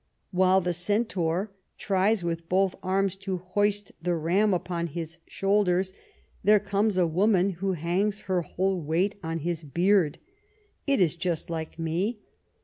While the centaur tries with both arms to hoist the ram upon his shoulders, there comes a woman who hangs her whole weight on his beard. It is just like me.